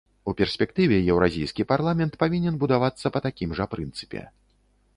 У перспектыве еўразійскі парламент павінен будавацца па такім жа прынцыпе.